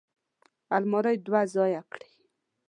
المار دوه ځایه کړي.